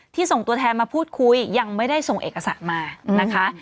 ส่งตัวแทนมาพูดคุยยังไม่ได้ส่งเอกสารมานะคะ